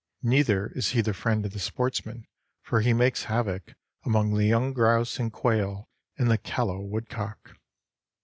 Neither is he the friend of the sportsman, for he makes havoc among the young grouse and quail and the callow woodcock.